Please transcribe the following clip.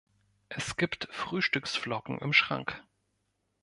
Es gibt Frühstücksflocken im Schrank.